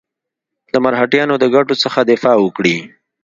د مرهټیانو د ګټو څخه دفاع وکړي.